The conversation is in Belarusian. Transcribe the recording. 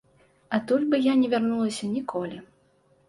Адтуль бы не вярнуліся ніколі.